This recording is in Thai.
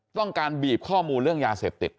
การบีบข้อมูลเรื่องยาเสพติด